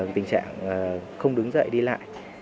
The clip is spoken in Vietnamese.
tình trạng không đứng dậy đi lại